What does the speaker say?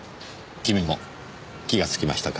君も気がつきましたか。